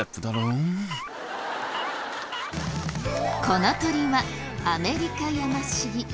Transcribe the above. この鳥はアメリカヤマシギ。